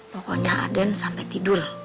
pokoknya aden sampai tidur